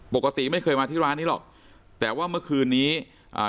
ปกติไม่เคยมาที่ร้านนี้หรอกแต่ว่าเมื่อคืนนี้อ่า